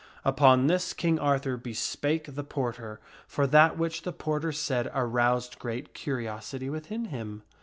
Upon this King Arthur bespake the porter, for that which the porter said aroused great curiosity within him.